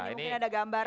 ini mungkin ada gambar